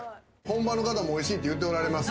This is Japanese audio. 本場の方もおいしいって言っておられます